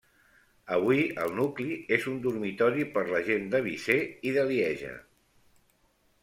Avui, el nucli és un dormitori per la gent de Visé i de Lieja.